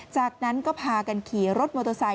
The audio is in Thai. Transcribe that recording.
จากนั้นก็พากันขี่รถโมโตไซต์